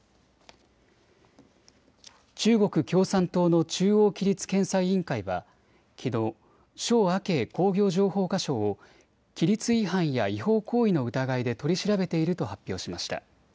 中国共産党の中央規律検査委員会はきのう肖亜慶工業情報化相を規律違反や違法行為の疑いで取り調べていると発表しました。